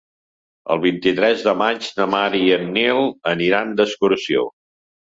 El vint-i-tres de maig na Mar i en Nil aniran d'excursió.